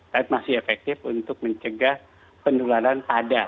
tapi masih efektif untuk mencegah penularan pada